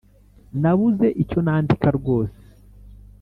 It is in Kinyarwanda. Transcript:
Nabuze icyo nandika rwose